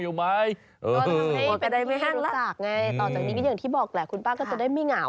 อย่างที่บอกแหละคุณป้าก็จะได้ไม่เหงา